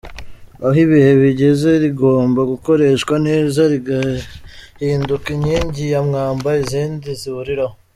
Aho ibihe bigeze, rigomba gukoreshwa neza rigahinduka inkingi ya mwamba izindi zihuriraho.